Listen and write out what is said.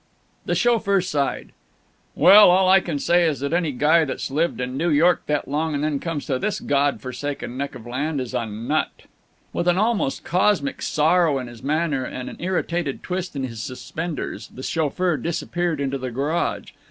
The chauffeur sighed, "Well, all I can say is that any guy that's lived in New York that long and then comes to this God forsaken neck of land is a nut." With an almost cosmic sorrow in his manner and an irritated twist in his suspenders, the chauffeur disappeared into the garage.